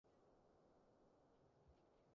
明明寫着人肉可以煎喫；